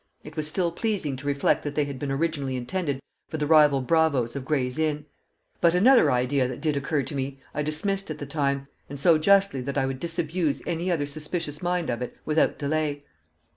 It was still pleasing to reflect that they had been originally intended for the rival bravos of Gray's Inn. But another idea that did occur to me, I dismissed at the time, and so justly that I would disabuse any other suspicious mind of it without delay.